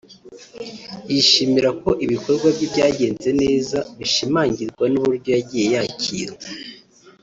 yishimira ko ibikorwa bye byagenze neza bishimangirwa n’uburyo yagiye yakirwa